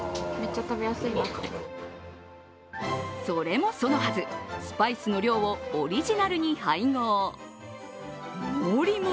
それもそのはず、スパイスの量をオリジナルに配合。